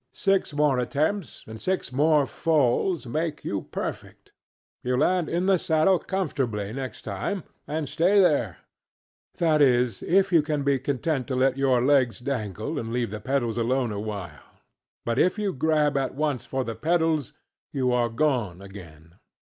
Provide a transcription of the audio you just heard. Six more attempts and six more falls make you perfect. You land in the saddle comfortably, next time, and stay thereŌĆöthat is, if you can be content to let your legs dangle, and leave the pedals alone a while; but if you grab at once for the pedals, you are gone again.